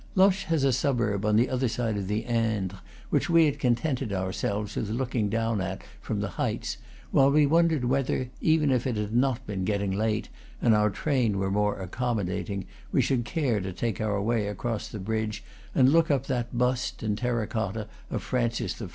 Loches has a suburb on the other side of the Indre, which we had contented ourselves with looking down at from the heights, while we wondered whether, even if it had not been getting late and our train were more accommodating, we should care to take our way across the bridge and look up that bust, in terra cotta, of Francis I.